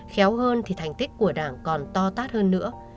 khéo hơn thì thành tích của đảng còn to tát hơn nữa